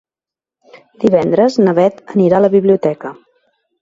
Divendres na Beth anirà a la biblioteca.